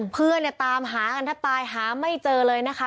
เพื่อนตามหาถ้าตายหาไม่เจอเลยนะคะ